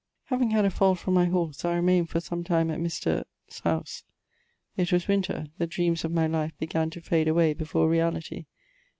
Having had a fall from my horse, I remained for some time at Mr. 's house. It was winter; the dreams of my life began to fade away before reality.